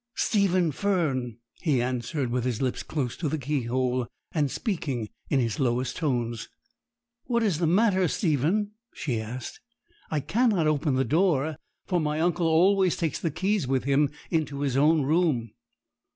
'Stephen Fern,' he answered, with his lips close to the keyhole, and speaking in his lowest tones. 'What is the matter, Stephen?' she asked. 'I cannot open the door, for my uncle always takes the keys with him into his own room.'